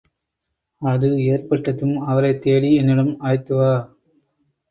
அது ஏற்பட்டதும், அவரைத்தேடி என்னிடம் அழைத்துவா.